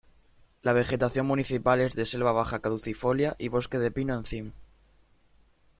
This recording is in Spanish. La vegetación municipal es de "selva baja caducifolia" y "bosque de pino-encino".